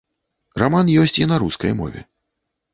Раман ёсць і на рускай мове.